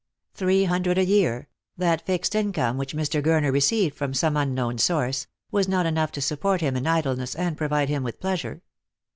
Three hundred a year — that fixed income which Mr. Garner received from some unknown source — was not enough to support him in idleness and provide him with pleasure.